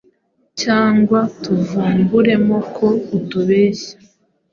cyangwa tuvumburemo ko utubeshya.